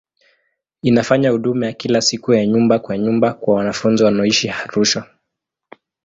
Inafanya huduma ya kila siku ya nyumba kwa nyumba kwa wanafunzi wanaoishi Arusha.